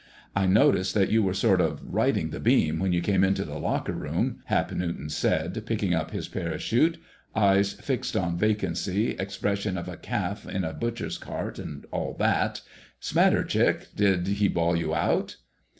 "I noticed that you were sort of 'riding the beam' when you came into the locker room," Hap Newton said, picking up his parachute. "Eyes fixed on vacancy, expression of a calf in a butcher's cart, and all that. 'Smatter, Chick—did he bawl you out?"